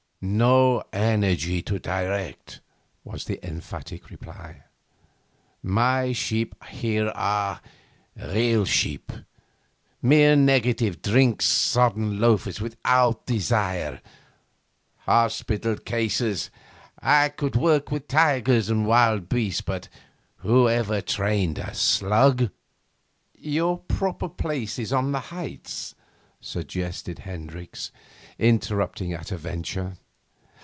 'No energy to direct,' was the emphatic reply. 'My sheep here are real sheep; mere negative, drink sodden loafers without desire. Hospital cases! I could work with tigers and wild beasts, but who ever trained a slug?' 'Your proper place is on the heights,' suggested Hendricks, interrupting at a venture.